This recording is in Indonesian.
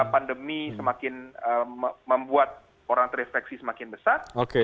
pandemi semakin membuat orang terinfeksi semakin besar